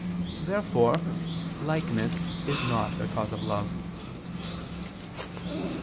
Therefore likeness is not a cause of love.